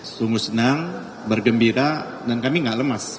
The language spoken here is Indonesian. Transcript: sungguh senang bergembira dan kami gak lemas